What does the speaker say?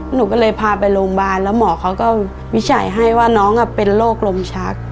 หนูก็เลยพาไปโรงพยาบาลแล้วหมอเขาก็วิจัยให้ว่าน้องเป็นโรคลมชัก